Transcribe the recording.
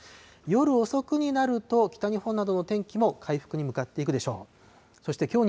夜遅くになると、北日本などの天気も回復に向かっていくでしょう。